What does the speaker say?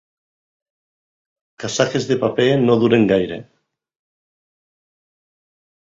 Casaques de paper no duren gaire.